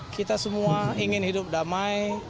kita semua ingin hidup damai